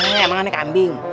nih emang aneh kambing